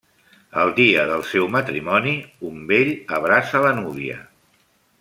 El dia del seu matrimoni, un vell abraça la núvia.